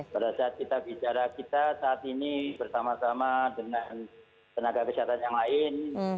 pada saat kita bicara kita saat ini bersama sama dengan tenaga kesehatan yang lain